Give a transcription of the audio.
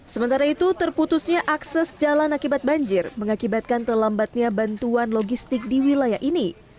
sementara itu terputusnya akses jalan akibat banjir mengakibatkan terlambatnya bantuan logistik di wilayah ini